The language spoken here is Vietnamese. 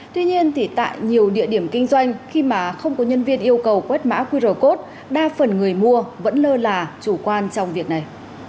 tuy nhiên thì tại nhiều địa điểm kinh doanh khi mà không có nhân viên yêu cầu quét mã qr code đa phần người mua vẫn lơ là chủ quan trong việc này